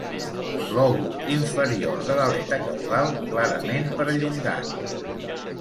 Lòbul inferior de l'aleta caudal clarament perllongat.